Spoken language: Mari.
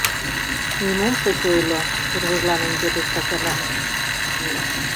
Нимом шыч ойло, — тургыжланен йодеш Тачана.